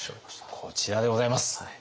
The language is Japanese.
こちらでございます。